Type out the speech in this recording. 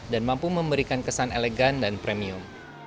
dan mampu memberikan kesan elegan dan premium